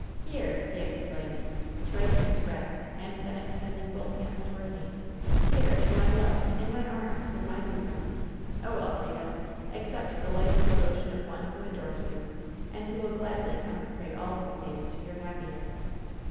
" ^Here !' he exclaimed, striking his breast and then extending both hands toward me — ^Here ! in my love !—' in my arms !— in my bosom ! Oh, Elfrida ! accept the life's devotion of one who adores you, and who will gladly consecrate all his days to your happiness